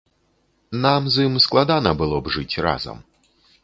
Нам з ім складана было б жыць разам.